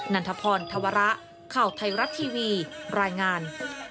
ันทพรธวระข่าวไทยรัฐทีวีรายงาน